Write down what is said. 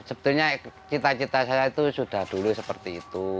sebetulnya cita cita saya itu sudah dulu seperti itu